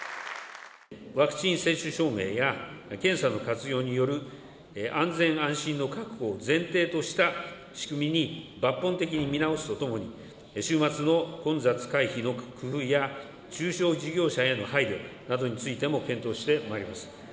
ワクチン接種証明や検査の活用による安全安心の確保を前提とした仕組みに、抜本的に見直すとともに、週末の混雑回避の工夫や、中小事業者への配慮などについても検討してまいります。